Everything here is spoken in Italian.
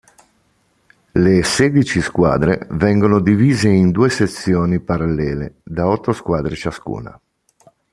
Le sedici squadre vengono divise in due sezioni parallele da otto squadre ciascuna.